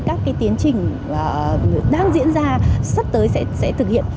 các cái tiến trình đang diễn ra sắp tới sẽ thực hiện